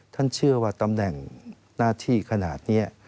ท่านเชื่อว่าตำแหน่งหน้าที่ขนาดนี้